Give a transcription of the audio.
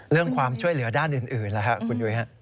เรื่องความช่วยเหลือด้านอื่นแหละค่ะคุณยุ้ยฮะ